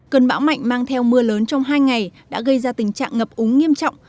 cơn bão mạnh mang theo mưa lớn trong hai ngày đã gây ra tình trạng ngập úng nghiêm trọng